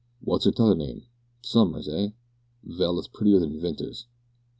Wots 'er tother name? Summers, eh? Vell, it's prettier than Vinters.